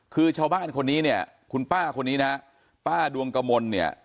คือชาวบ้านคนนี้เนี่ยคุณป้าคนนี้นะป้าดวงกมลเนี่ย